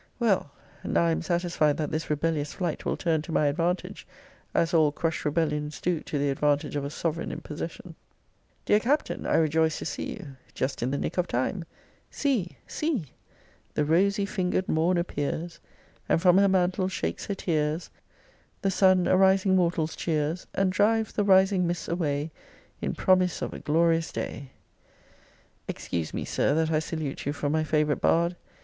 Well, now I am satisfied that this rebellious flight will turn to my advantage, as all crushed rebellions do to the advantage of a sovereign in possession. Dear Captain, I rejoice to see you just in the nick of time See! See! The rosy finger'd morn appears, And from her mantle shakes her tears: The sun arising mortals cheers, And drives the rising mists away, In promise of a glorious day. Excuse me, Sir, that I salute you from my favourite bard.